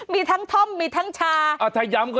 มีทั้งท่อมมีทั้งชาถ้าย้ำก็